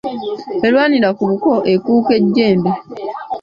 Erwanira ku buko, ekuuka ejjembe.